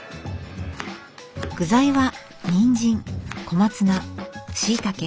具材はにんじん小松菜しいたけ。